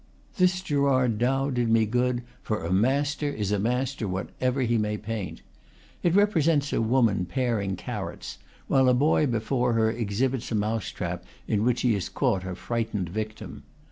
This Gerard Dow did me good; for a master is a master, whatever he may paint. It represents a woman paring carrots, while a boy before her exhibits a mouse trap in which he has caught a frightened victim.